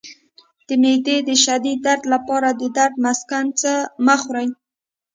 د معدې د شدید درد لپاره د درد مسکن مه خورئ